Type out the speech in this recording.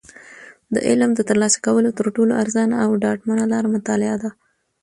د علم د ترلاسه کولو تر ټولو ارزانه او ډاډمنه لاره مطالعه ده.